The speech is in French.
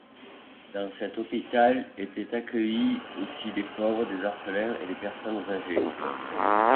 Dans cet hôpital étaient accueillis aussi des pauvres, des orphelins et des personnes âgées.